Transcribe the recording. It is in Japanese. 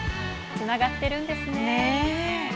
つながってるんですね。